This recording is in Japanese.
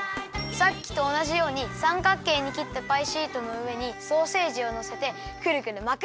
さっきとおなじようにさんかっけいにきったパイシートのうえにソーセージをのせてくるくるまく！